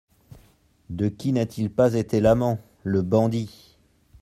De qui n'a-t-il pas été l'amant, le bandit ?